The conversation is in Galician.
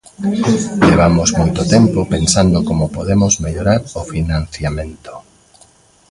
Levamos moito tempo pensando como podemos mellorar o financiamento.